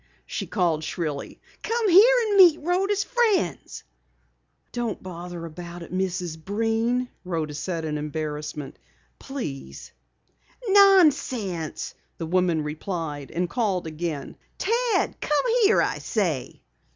she called shrilly. "Come here and meet Rhoda's friends!" "Don't bother about it, Mrs. Breen," Rhoda said in embarrassment. "Please." "Nonsense!" the woman replied, and called again. "Ted! Come here, I say!"